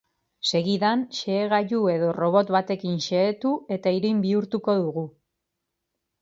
Segidan, xehegailu edo robot batekin xehetu eta irin bihurtuko dugu.